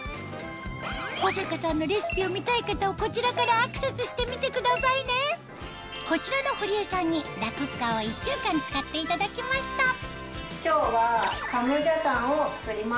保阪さんのレシピを見たい方はこちらからアクセスしてみてくださいねこちらの堀江さんにラ・クッカーを１週間使っていただきました今日はカムジャタンを作ります。